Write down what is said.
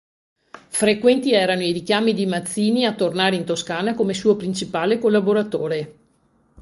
Frequenti erano i richiami di Mazzini a tornare in Toscana come suo principale collaboratore.